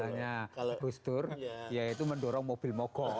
sebenarnya gusul yaitu mendorong mobil mogok